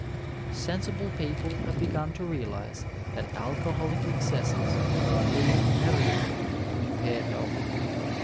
Sensible people have begun to realize that alcoholic excesses lead inevitably to impaired health.